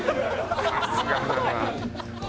さすがだわ。